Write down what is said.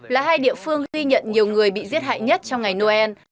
là hai địa phương ghi nhận nhiều người bị giết hại nhất trong ngày noel